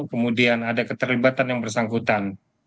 kemudian ada keterlibatan yang bersangkutan